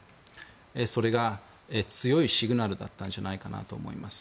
それが強いシグナルだったんじゃないかと思います。